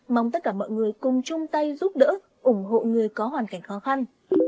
mong tất cả mọi người cùng chung tay giúp đỡ ủng hộ người có hoàn cảnh khó khăn